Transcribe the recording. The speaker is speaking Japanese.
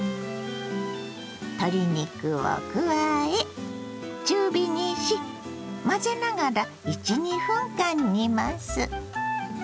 鶏肉を加え中火にし混ぜながら１２分間煮ます。